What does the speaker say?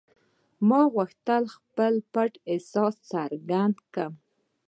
ما غوښتل خپل پټ احساس څرګند کړم